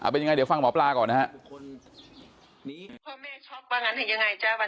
เป็นยังไงเดี๋ยวฟังหมอปลาก่อนนะครับ